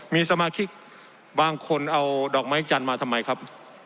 มีสมาชิกบางคนเอาดอกไม้จันทร์มาทำไมครับ